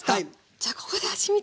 じゃあここで味みて。